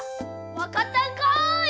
わかったんかい！